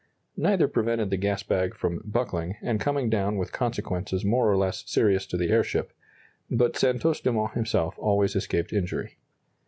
Neither prevented the gas bag from "buckling" and coming down with consequences more or less serious to the airship but Santos Dumont himself always escaped injury.